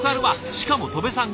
しかも戸部さん